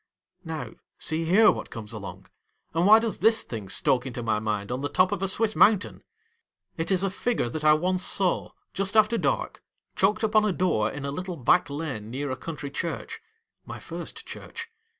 Now, see here what comes along ; and why does this thing stalk into my mind on the top of a Swiss mountain ! It is a figure that I once saw, just after dark, chalked upon a door in a little back lane near a country church — my first church.